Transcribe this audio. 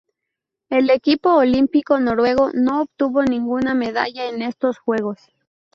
El equipo olímpico noruego no obtuvo ninguna medalla en estos Juegos.